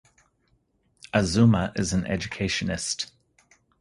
Azumah is an educationist.